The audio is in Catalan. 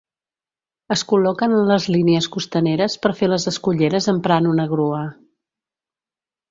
Es col·loquen en les línies costaneres per fer les esculleres emprant una grua.